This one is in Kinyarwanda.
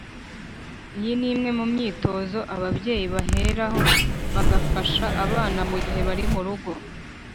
iyi ni imwe mu myitozo ababyeyi baheraho bagafasha abana mu gihe bari mu rugo.